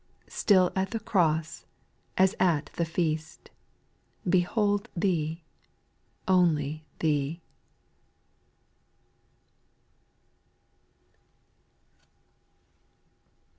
Still at the cross, as at the feast, Behold Thee, only Thee.